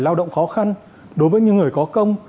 lao động khó khăn đối với những người có công